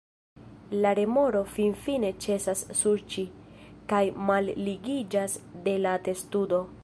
La remoro finfine ĉesas suĉi, kaj malligiĝas de la testudo.